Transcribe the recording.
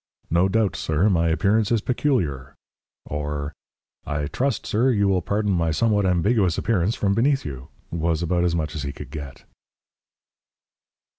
"No doubt, sir, my appearance is peculiar," or, "I trust, sir, you will pardon my somewhat ambiguous appearance from beneath you," was about as much as he could get.